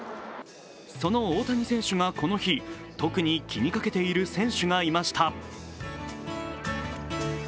その大谷選手がこの日、特に気にかけている選手がいました。